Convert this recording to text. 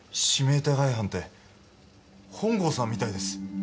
指名手配犯って本郷さんみたいです。